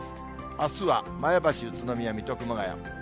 あすは前橋、宇都宮、水戸、熊谷。